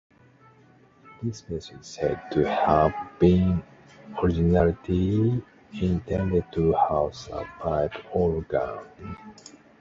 This space is said to have been originally intended to house a pipe organ.